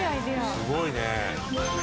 すごいね。